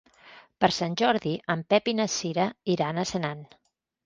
Per Sant Jordi en Pep i na Cira iran a Senan.